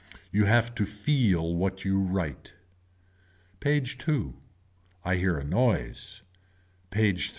You have to feel what you write. PAGE II. I hear a noise. PAGE III.